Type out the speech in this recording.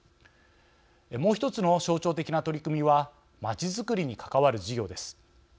もう１つの象徴的な取り組みはまちづくりに関わる事業です。